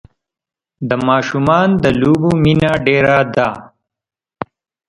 د ماشومان د لوبو مینه ډېره ده.